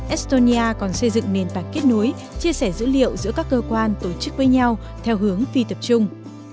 estonia còn xây dựng nền tảng kết nối chia sẻ dữ liệu giữa các cơ quan tổ chức với nhau theo hướng phi tập trung